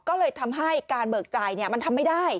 ก็เลยทำให้การเบิกจ่ายมันทำไม่ได้